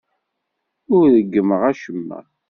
Ur ṛeggmeɣ acemma.